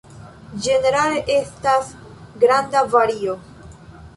Ĝenerale estas granda vario.